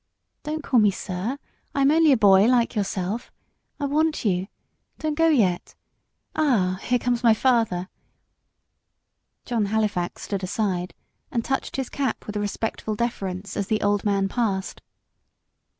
"Don't call me 'sir'; I am only a boy like yourself. I want you; don't go yet. Ah! here comes my father!" John Halifax stood aside, and touched his cap with a respectful deference, as the old man passed.